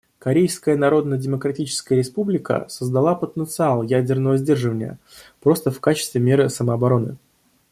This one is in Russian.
Корейская Народно-Демократическая Республика создала потенциал ядерного сдерживания, просто в качестве меры самообороны.